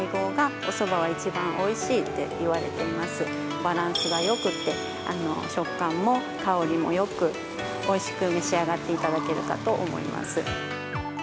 バランスがよくて、食感も香りもよくおいしく召し上がっていただけると思います。